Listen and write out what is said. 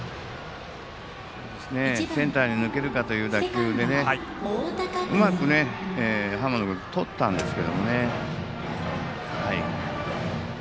センターに抜けるかという打球でうまく浜野君もとったんですけどね。